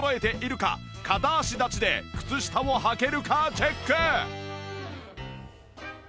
片足立ちで靴下をはけるかチェック！